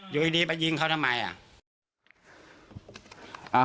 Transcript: อยู่ดีไปยิงเขาทำไมอ่ะ